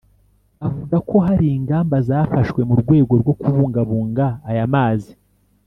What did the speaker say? avuga ko hari ingamba zafashwe mu rwego rwo kubungabunga aya mazi